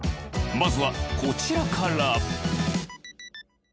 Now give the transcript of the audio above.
まずはこちらから。